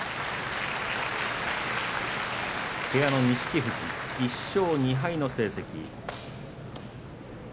錦富士、１勝２敗の成績。